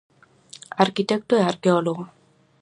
Arquitecto e arqueólogo.